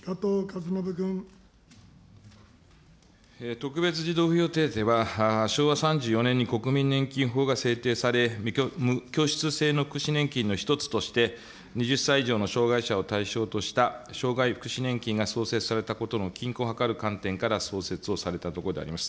特別児童扶養手当は、昭和３４年に国民年金法が制定され、無拠出制の福祉年金の一つとして、２０歳以上の障害者を対象とした、障害福祉年金が創設されたことの均衡を図る観点から創設をされたところであります。